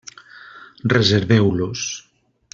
Reserveu-los.